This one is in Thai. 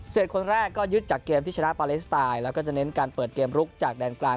คนแรกก็ยึดจากเกมที่ชนะปาเลสไตน์แล้วก็จะเน้นการเปิดเกมลุกจากแดนกลาง